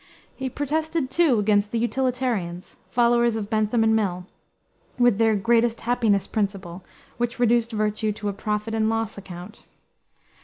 He protested, too, against the Utilitarians, followers of Bentham and Mill, with their "greatest happiness principle," which reduced virtue to a profit and loss account.